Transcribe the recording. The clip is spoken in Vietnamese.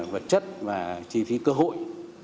vật chất và chi phí cơ hội